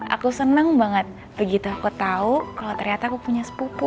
aku senang banget begitu aku tahu kalau ternyata aku punya sepupu